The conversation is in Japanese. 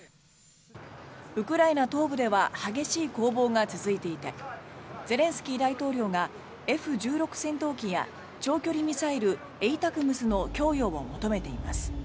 ウクライナ東部では激しい攻防が続いていてゼレンスキー大統領がＦ１６戦闘機や長距離ミサイルＡＴＡＣＭＳの供与を求めています。